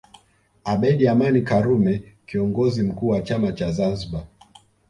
Abeid Aman Karume Kiongozi mkuu wa chama cha Zanzibar